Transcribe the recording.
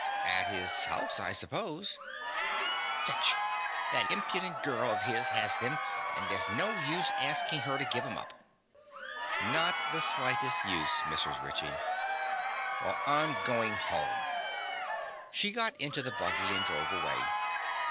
"At his house, I suppose." "Tcha! That impudent girl of his has them, an' there's no use asking her to give 'em up." "Not the slightest use, Mrs. Ritchie." "Well, I'm going home." She got into the buggy and drove away.